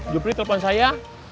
juprih telepon saya